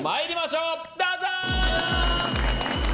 どうぞ。